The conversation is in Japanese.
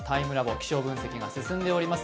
気象分析が進んでおります。